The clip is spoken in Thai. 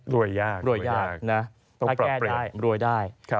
ถ้าแก้ได้รวยได้